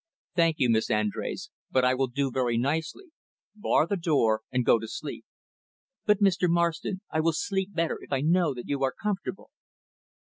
"Thank you, Miss Andrés; but I will do very nicely. Bar the door and go to sleep." "But, Mr. Marston, I will sleep better if I know that you are comfortable."